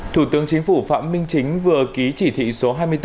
thủ tướng chính phủ phạm minh chính vừa ký chỉ thị số hai mươi bốn